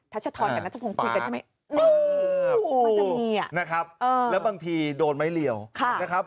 ัชธรกับนัทพงศ์คุยกันใช่ไหมนะครับแล้วบางทีโดนไม้เหลี่ยวนะครับ